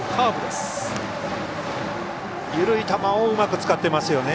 緩い球をうまく使ってますよね。